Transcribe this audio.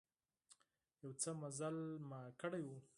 يو څه مزل مو کړى و.